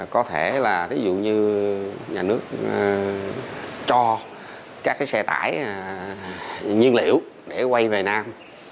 có thể là thí dụ như nhà nước cho các xe tải nhiên liệu để quay về nam